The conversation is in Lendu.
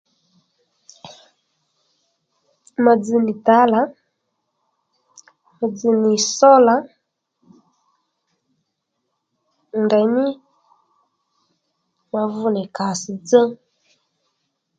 Ma dzz nì tǎlà ma dzz nì sólà ndèymí ma vú nì kàss dzá